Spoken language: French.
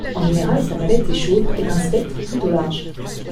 En général sa palette est chaude et d'un spectre plutôt large.